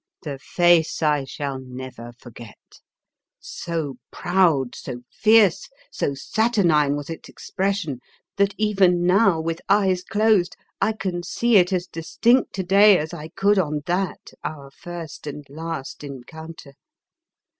The face I shall never forget; so proud, so fierce, so saturnine was its expression that even now, with eyes closed, I can see it as distinct to day as I could on that, our first and last encounter.